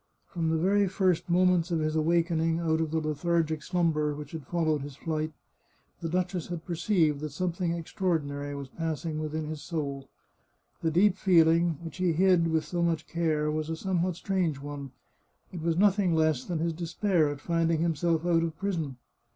From the very first moments of his awakening out of the lethargic slumber which had followed on his flight, the duchess had perceived that something extraordinary was passing within his soul. The deep feeling which he hid with so much care was a somewhat strange one — it was nothing less than his despair at finding himself out of prison.